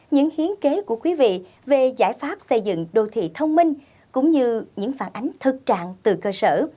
những hiến kế của quý vị về giải pháp xây dựng đô thị thông minh cũng như những phản ánh thực trạng từ cơ sở